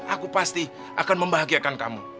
aku pasti akan membahagiakan kamu